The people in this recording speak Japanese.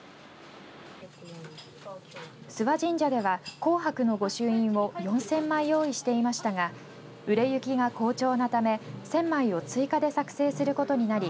諏訪神社では紅白の御朱印を４０００枚用意していましたが売れ行きが好調なため１０００枚を追加で作成することになり